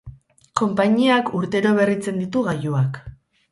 Konpainiak urtero berritzen ditu gailuak.